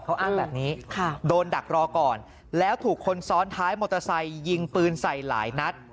เขาอ้างแบบนี้โดนดักรอก่อนแล้วถูกคนซ้อนท้ายมอเตอร์ไซค์ยิงปืนใส่หลายนัด